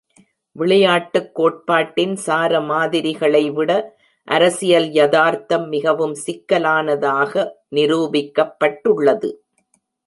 விளையாட்டுக் கோட்பாட்டின் சார மாதிரிகளை விட அரசியல் யதார்த்தம் மிகவும் சிக்கலானதாக நிரூபிக்கப்பட்டுள்ளது.